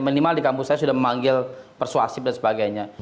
minimal di kampus saya sudah memanggil persuasif dan sebagainya